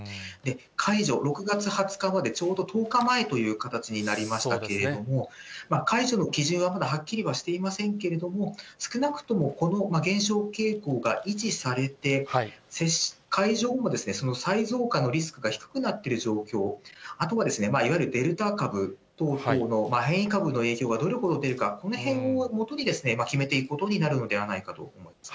解除、６月２０日までちょうど１０日前という形になりましたけれども、解除の基準はまだはっきりはしていませんけれども、少なくともこの減少傾向が維持されて、解除後もその再増加のリスクが低くなってる状況、あとはいわゆるデルタ株等々の変異株の影響がどれほど出るか、このへんをもとに、決めていくことになるのではないかと思います